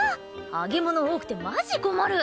揚げ物多くてマジ困る。